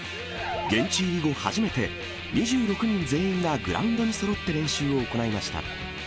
現地入り後、初めて２６人全員がグラウンドにそろって練習を行いました。